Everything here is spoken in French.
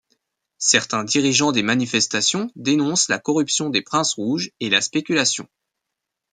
Certains dirigeants des manifestations dénoncent la corruption des Princes rouges et la spéculation.